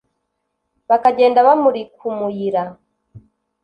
bakagenda bámurik umuyira